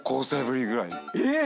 えっ⁉